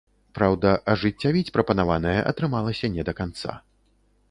Праўда, ажыццявіць прапанаванае атрымалася не да канца.